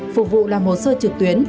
phục vụ làm hồ sơ trực tuyến